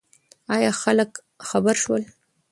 ایا خلک خبر شول؟